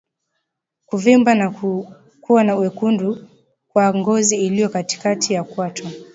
Kuvimba na kuwa na wekundu kwa ngozi iliyo katikati ya kwato